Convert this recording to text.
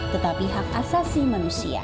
tetapi hak asasi manusia